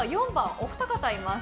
お二方います。